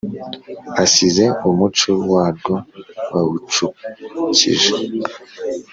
Asize umuco warwo bawucukije